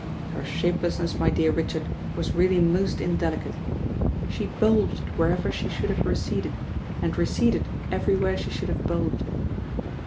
Her shapelessness, my dear Richard, was really most indelicate. She bulged wherever she should have receded, and receded everywhere she should have bulged."